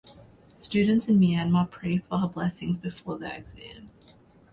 Students in Myanmar pray for her blessings before their exams.